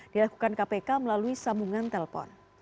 dilakukan kpk melalui sambungan telpon